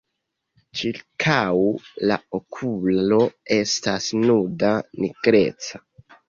Ĉirkaŭ la okulo estas nuda nigreca haŭtaĵo.